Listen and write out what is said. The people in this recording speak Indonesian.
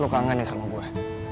aku kangen ya sama gue